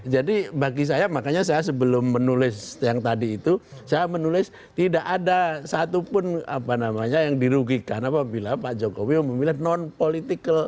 jadi bagi saya makanya saya sebelum menulis yang tadi itu saya menulis tidak ada satupun apa namanya yang dirugikan apabila pak jokowi memilih non political